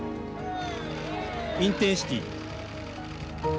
インテンシティー。